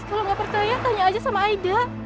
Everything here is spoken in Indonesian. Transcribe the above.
kalau nggak percaya tanya aja sama aida